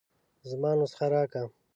زما نسخه راکه.